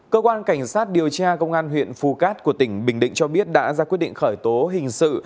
cơ quan cảnh sát điều tra công an huyện phù cát của tỉnh bình định cho biết đã ra quyết định khởi tố hình sự